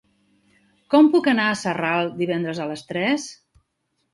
Com puc anar a Sarral divendres a les tres?